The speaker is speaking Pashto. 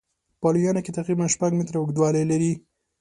په لویانو کې تقریبا شپږ متره اوږدوالی لري.